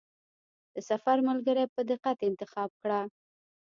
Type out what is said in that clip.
د سفر ملګری په دقت انتخاب کړه.